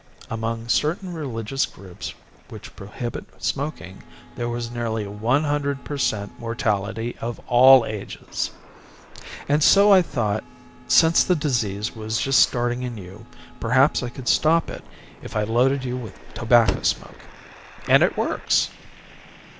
Among certain religious groups which prohibit smoking there was nearly one hundred per cent mortality of all ages! "And so I thought since the disease was just starting in you, perhaps I could stop it if I loaded you with tobacco smoke. And it works!"